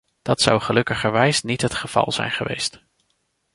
Dat zou gelukkigerwijs niet het geval zijn geweest.